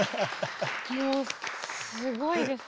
もうすごいです。